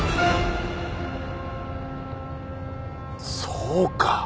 そうか。